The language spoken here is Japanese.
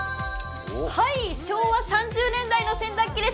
昭和３０年代の洗濯機です。